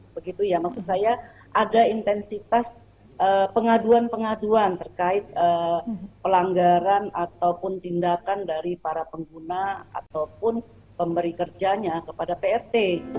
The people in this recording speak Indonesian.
begitu ya maksud saya ada intensitas pengaduan pengaduan terkait pelanggaran ataupun tindakan dari para pengguna ataupun pemberi kerjanya kepada prt